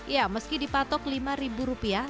ya meski dipatok lima ribu rupiah